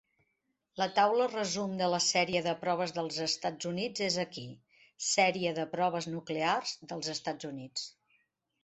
La taula resum de la sèrie de proves dels Estats Units és aquí: Sèrie de proves nuclears dels Estats Units.